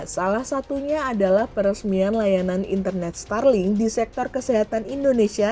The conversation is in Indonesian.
salah satunya adalah peresmian layanan internet starling di sektor kesehatan indonesia